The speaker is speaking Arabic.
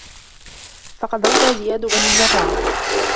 فَقَدْ رَوَى زِيَادُ بْنُ الْجَرَّاحِ